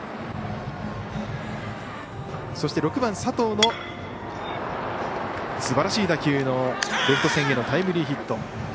そして、６番佐藤のすばらしい打球のレフト線へのタイムリーヒット。